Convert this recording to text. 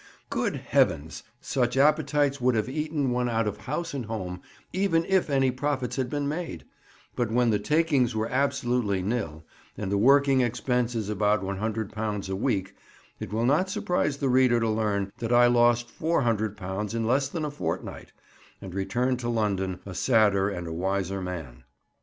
Good heavens! such appetites would have eaten one out of house and home, even if any profits had been made; but when the takings were absolutely "nil," and the working expenses about £100 a week, it will not surprise the reader to learn that I lost £400 in less than a fortnight, and returned to London a sadder and a wiser man.